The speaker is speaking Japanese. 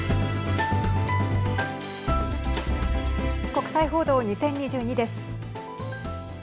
国際報道２０２２です。